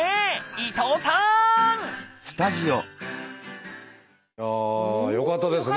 伊藤さん！ああよかったですね。